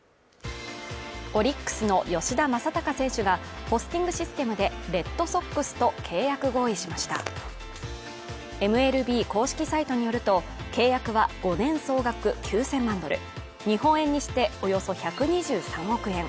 オリックスの吉田正尚選手がポスティングシステムでレッドソックスと契約合意しましたＭＬＢ公式サイトによると契約は５年総額９０００万ドル日本円にしておよそ１２３億円